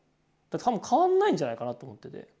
多分変わんないんじゃないかなと思ってて。